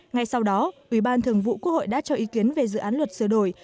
ngay sau đó ủy ban thường vụ quốc hội đã cho ý kiến về dự án luật sửa đổi